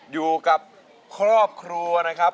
อยู่กับครอบครัวนะครับ